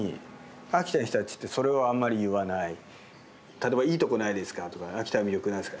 例えば「いいとこないですか？」とか「秋田の魅力何ですか？」。